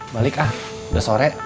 balik ah udah sore